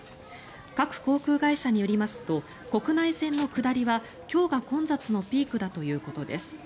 各航空会社によりますと国内線の下りは今日が混雑のピークだということです。